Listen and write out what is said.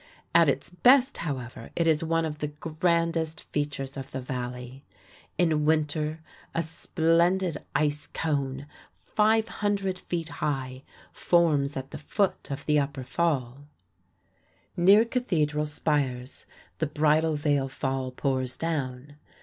At its best, however, it is one of the grandest features of the Valley. In winter a splendid ice cone, 500 feet high, forms at the foot of the upper fall. Near Cathedral Spires, the Bridal Veil Fall pours down.